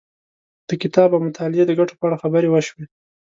د کتاب او مطالعې د ګټو په اړه خبرې وشوې.